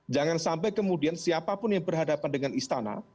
jangan sampai kemudian siapapun yang berhadapan dengan istana